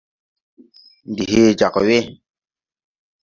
Ndi hee jag we.